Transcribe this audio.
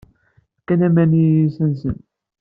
Fkan aman i yiysan-nsen.